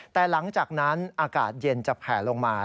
แต่หลังจากนั้นอากาศเย็นจะแผลลงมา